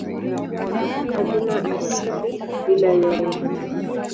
Kifupi hakuna asili bila yeye.